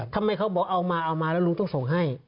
ทำไมเขาบอกเอามาเอามาแล้วลุงต้องส่งให้